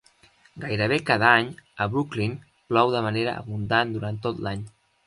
Gairebé cada any, a Brooklyn plou de manera abundant durant tot l'any.